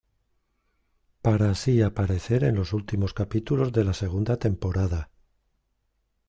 Para así aparecer en los últimos capítulos de la segunda temporada.